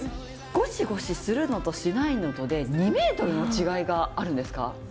ゴシゴシするのとしないので２ｍの違いがあるんですか？